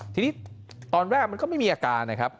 ทีนี้ตอนแรกมันก็ไม่มีอาการ